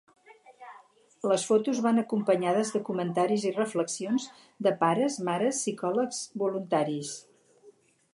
Les fotos van acompanyades de comentaris i reflexions de pares, mares, psicòlegs, voluntaris.